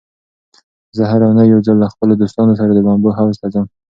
زه هره اونۍ یو ځل له خپلو دوستانو سره د لامبو حوض ته ځم.